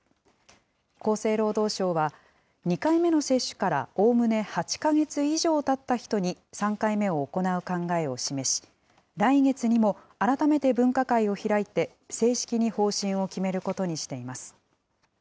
厚生労働省は、２回目の接種からおおむね８か月以上たった人に３回目を行う考えを示し、来月にも改めて分科会を開いて、正式に方針を決めることにしています。